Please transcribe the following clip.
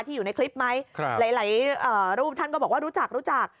ที่อยู่ในคลิปไหมหลายรูปท่านก็บอกว่ารู้จัก